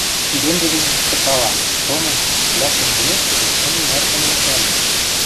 сиренжӹ гӹнь мыштыкала; тоныжы, лӓктӹн кемешкӹжӹ, кым и нӓр тыменьӹкӓлен